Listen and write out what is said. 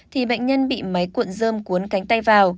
thì bệnh nhân bị máy cuộn dơm cuốn cánh tay vào